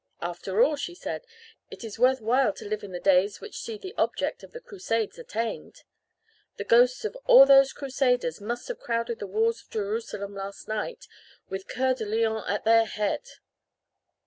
"'After all,' she said, 'it is worth while to live in the days which see the object of the Crusades attained. The ghosts of all the Crusaders must have crowded the walls of Jerusalem last night, with Coeur de lion at their head.'